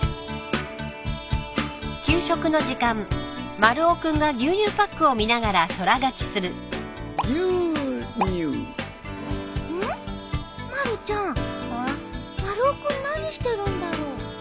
丸尾君何してるんだろう？